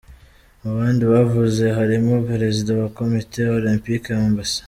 Mu bandi bavuze harimo Perezida wa Komite Olempike, Amb.